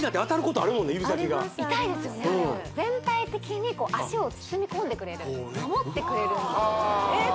全体的に足を包み込んでくれる守ってくれるんですえっ